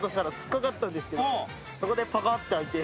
そこでパカって開いて。